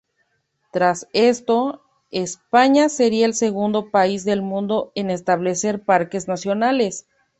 Tras esto, España sería el segundo país del mundo en establecer parques nacionales.